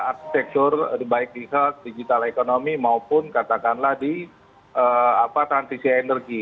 arsitektur baik digital ekonomi maupun katakanlah di transisi energi